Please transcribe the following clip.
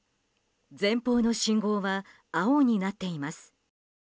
前方の信号は青になっています。